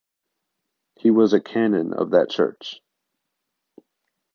He was a canon of that church.